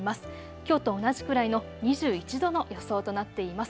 きょうと同じくらいの２１度の予想となっています。